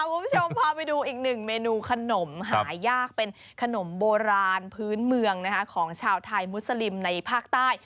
คุณผู้ชมพาไปดูอีกหนึ่งเมนูขนมหายากเป็นขนมโบราณพื้นเมืองของชาวไทยมุสลิมในภาคใต้